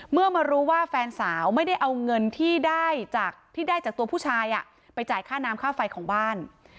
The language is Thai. เมื่อมารู้ว่าแฟนสาวไม่ได้เอาเงินที่ได้จากที่ได้จากตัวผู้ชายไปจ่ายค่าน้ำค่าไฟของบ้าน